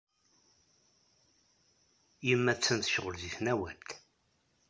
Yemma attan tecɣel deg tenwalt.